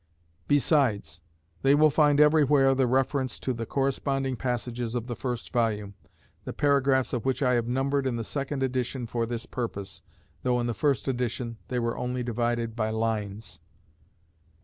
Besides, they will find everywhere the reference to the corresponding passages of the first volume, the paragraphs of which I have numbered in the second edition for this purpose, though in the first edition they were only divided by lines.